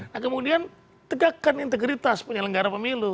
nah kemudian tegakkan integritas penyelenggara pemilu